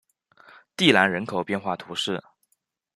蒂兰人口变化图示